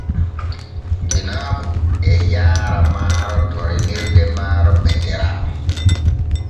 Jeenabu e yaara maaro to remirde maaro Betera.